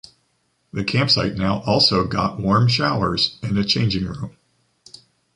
The campsite now also got warm showers and a changing room.